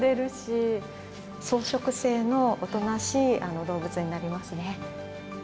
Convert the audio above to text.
草食性のおとなしい動物になりますね。